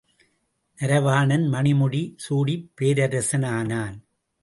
நரவாணன் மணி முடி சூடிப் பேரரசனானான்.